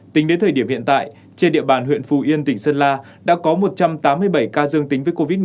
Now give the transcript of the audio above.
tính đến thời điểm hiện tại trên địa bàn huyện phù yên tỉnh sơn la đã có một trăm tám mươi bảy ca dương tính với covid một mươi chín